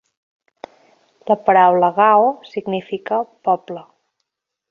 La paraula "gao" significa "poble".